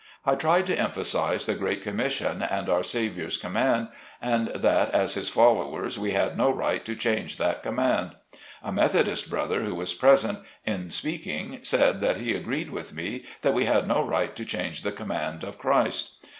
I tried to emphasize the great commission and our Saviour's command, and that as his followers we had no right to change that command. A Methodist brother who was present, in speaking, said that he agreed with me that we had no right to change the command of Christ.